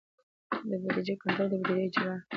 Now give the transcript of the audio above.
د بودیجې کنټرول او د بودیجې اجرا.